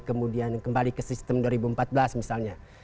kemudian kembali ke sistem dua ribu empat belas misalnya